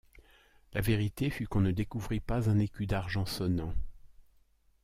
La vérité fut qu’on ne découvrit pas un écu d’argent sonnant.